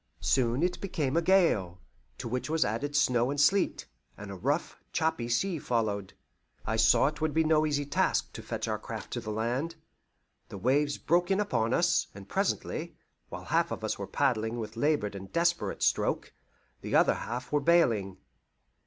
Soon it became a gale, to which was added snow and sleet, and a rough, choppy sea followed. I saw it would be no easy task to fetch our craft to the land. The waves broke in upon us, and presently, while half of us were paddling with laboured and desperate stroke, the other half were bailing.